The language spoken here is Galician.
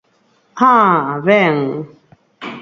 ¡Ah, ben!